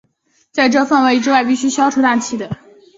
在这范围之外必须使用消除大气的技术观测。